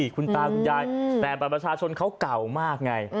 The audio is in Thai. คุณตาคุณยายแต่บัตรประชาชนเขาเก่ามากไง